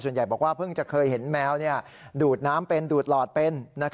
ใหญ่บอกว่าเพิ่งจะเคยเห็นแมวดูดน้ำเป็นดูดหลอดเป็น